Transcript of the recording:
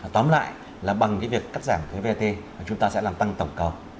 tóm lại là bằng việc cắt giảm thuế vat chúng ta sẽ làm tăng tổng cầu